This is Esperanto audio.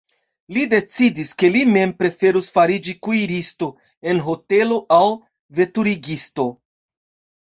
Li decidis, ke li mem preferos fariĝi kuiristo en hotelo aŭ veturigisto.